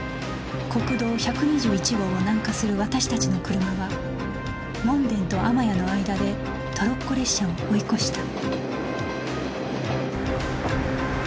国道１２１号を南下する私達の車は門田とあまやの間でトロッコ列車を追い越した